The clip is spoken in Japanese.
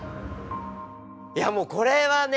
いやもうこれはね